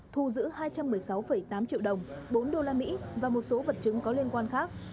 thu giữ hai trăm một mươi sáu tám triệu đồng bốn đô la mỹ và một số vật chứng có liên quan khác